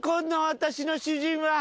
私の主人は。